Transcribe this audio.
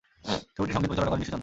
ছবিটির সংগীত পরিচালনা করেন ঋষি চন্দ।